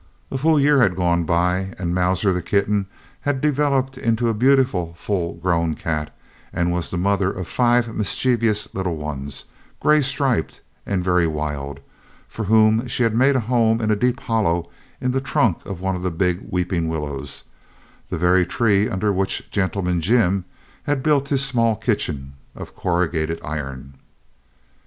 A full year had gone by; and Mauser, the kitten, had developed into a beautiful full grown cat and was the mother of five mischievous little ones, grey striped and very wild, for whom she had made a home in a deep hollow in the trunk of one of the big weeping willows, the very tree under which "Gentleman Jim" had built his small kitchen of corrugated iron.